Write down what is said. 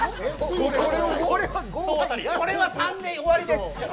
これは３で終わりです。